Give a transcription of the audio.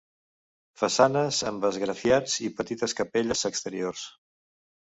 Façanes amb esgrafiats i petites capelles exteriors.